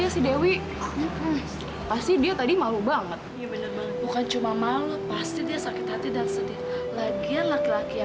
sampai jumpa di video selanjutnya